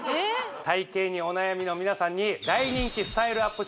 体形にお悩みの皆さんに大人気スタイルアップ